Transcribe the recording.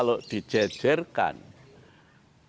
jawa dan kalender islam mempunyai hitungan yang berbeda